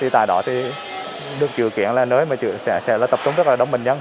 tại đó thì được chủ kiện là nơi mà sẽ tập trung rất là đông bệnh nhân